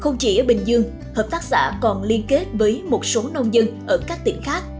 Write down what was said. không chỉ ở bình dương hợp tác xã còn liên kết với một số nông dân ở các tỉnh khác